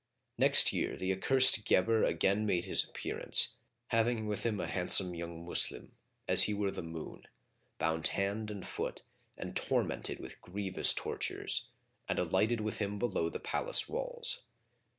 Next year the accursed Guebre again made his appearance, having with him a handsome young Moslem, as he were the moon, bound hand and foot and tormented with grievous tortures, and alighted with him below the palace walls.